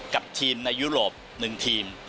กับทีมในยุโรปหนึ่งทีม